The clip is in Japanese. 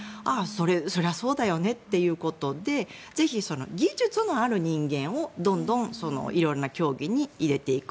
それはそうだよねということでぜひ、技術のある人間をどんどん色々な競技に入れていく。